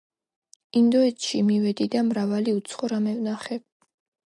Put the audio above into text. ინდოეთში მივედი და მრავალი უცხო რამე ვნახე: